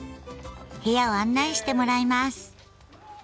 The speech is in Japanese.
部屋を案内してもらいます。